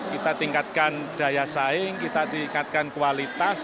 kita tingkatkan daya saing kita tingkatkan kualitas